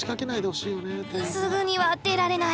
すぐには出られない。